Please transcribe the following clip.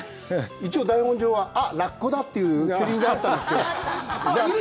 一応、台本上はあっ、ラッコだというセリフがあったんですけど。